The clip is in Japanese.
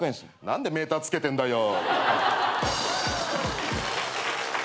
何でメーターつけてんだよ。